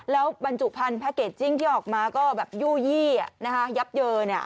แล้วบรรจุภัณฑ์แพ็คเกจจิ้งที่ออกมาก็แบบยู่ยี่ยับเยิน